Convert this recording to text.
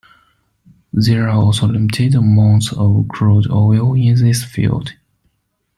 There are also limited amounts of crude oil in this field.